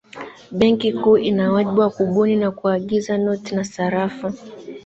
benki kuu ina wajibu wa kubuni na kuagiza noti na sarafu